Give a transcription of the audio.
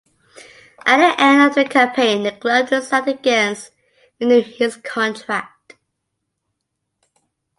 At the end of the campaign, the club decided against renewing his contract.